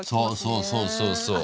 そうそうそうそうそう。